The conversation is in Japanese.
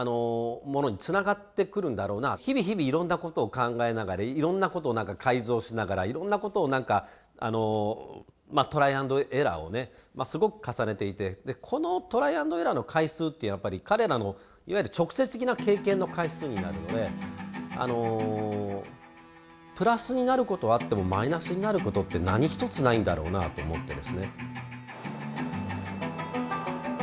日々日々いろんなことを考えながらいろんなことを改造しながらいろんなことを何かまあトライ＆エラーをねすごく重ねていてこのトライ＆エラーの回数ってやっぱり彼らのいわゆる直接的な経験の回数になるのでプラスになることはあってもマイナスになることって何一つないんだろうなと思ってですね。